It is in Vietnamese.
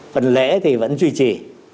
phần lễ thì vẫn duy trì